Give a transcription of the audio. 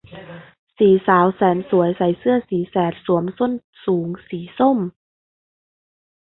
สี่สาวแสนสวยใส่เสื้อสีแสดสวมส้นสูงสีส้ม